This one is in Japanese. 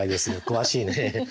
詳しいね。